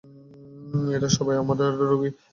এরা সবাই আমার রোগী।